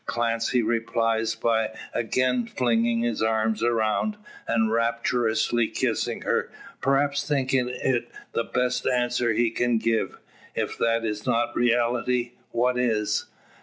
Clancy replies, by again flinging his arms around, and rapturously kissing her: perhaps thinking it the best answer he can give. If that be not reality, what is?